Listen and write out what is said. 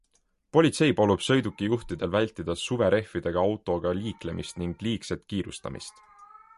Politsei palub sõidukijuhtidel vältida suverehvidega autoga liiklemist ning liigset kiirustamist.